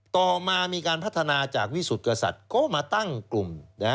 ต่อมามีการพัฒนาจากวิสุทธิกษัตริย์ก็มาตั้งกลุ่ม